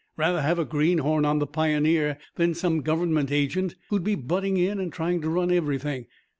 "Rather have a greenhorn on the Pioneer than some government agent, who'd be butting in and trying to run everything.